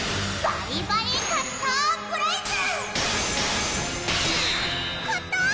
バリバリカッターブレイズ！